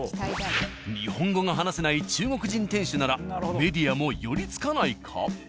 日本語が話せない中国人店主ならメディアも寄りつかないか？